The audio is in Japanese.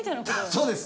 そうです！